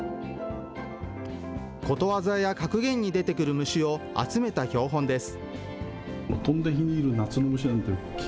ことわざや格言に出てくる虫を集めた標本です。